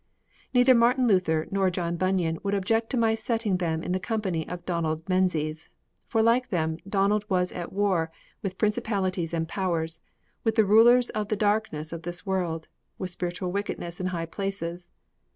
Neither Martin Luther nor John Bunyan would object to my setting them in the company of Donald Menzies. For, like them, Donald was at war with principalities and powers, with the rulers of the darkness of this world, with spiritual wickedness in high places.